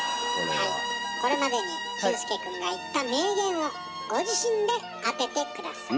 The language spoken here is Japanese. これまでに俊介くんが言った名言をご自身で当てて下さい。